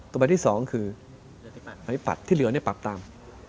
ตัวแบบที่๒คือไพรพรรดิปัดที่เหลือปรับตาม